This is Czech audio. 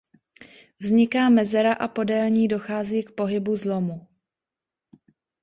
Vzniká mezera a podél ní dochází k pohybu zlomu.